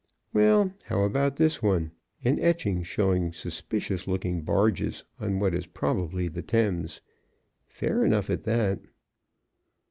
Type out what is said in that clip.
Well, how about this one? An etching, showing suspicious looking barges on what is probably the Thames. Fair enough, at that.